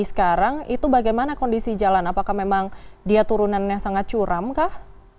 sekarang itu bagaimana kondisi jalan apakah memang dia turunannya sangat curam kah